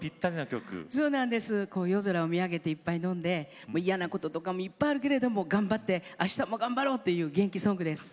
こう夜空を見上げて１杯飲んで嫌なこととかもいっぱいあるけれども頑張ってあしたも頑張ろうという元気ソングです。